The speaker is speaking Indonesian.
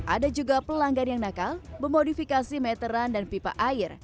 ada juga pelanggan yang nakal memodifikasi meteran dan pipa air